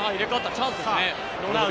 チャンスですね。